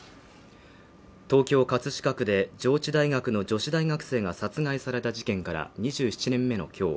東京葛飾区で上智大学の女子大学生が殺害された事件から２７年目の今日